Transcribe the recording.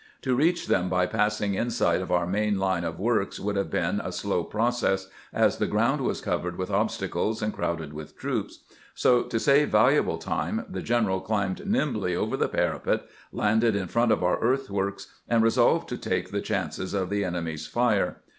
To reach them by pass ing inside of our main line of works would have been a slow process, as the ground was covered with obstacles and crowded with troops ; so, to save valuable time, the general climbed nirnbly over the parapet, landed in front of our earthworks, and resolved to take the chances of the enemy's fire.